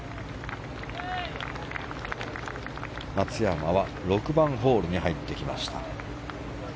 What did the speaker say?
松山は６番ホールに入ってきました。